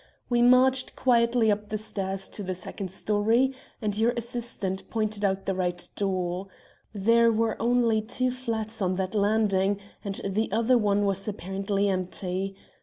We marched quietly up the stairs to the second storey, and your assistant pointed out the right door. There were only two flats on that landing, and the other one was apparently empty.